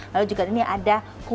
lalu juga ini ada kuota